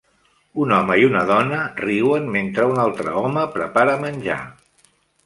Un home i una dona riuen mentre un altre home prepara menjar.